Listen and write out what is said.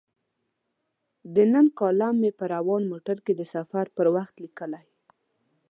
د نن کالم مې په روان موټر کې د سفر پر وخت لیکلی.